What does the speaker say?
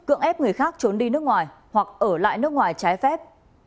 cưỡng ép người khác trốn đi nước ngoài hoặc ở lại nước ngoài trái phép